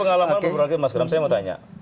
tapi pengalaman berbagai mas ikram saya mau tanya